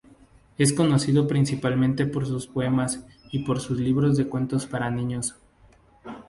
Es conocido principalmente por sus poemas y por sus libros de cuentos para niños.